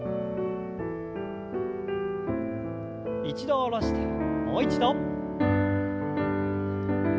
一度下ろしてもう一度。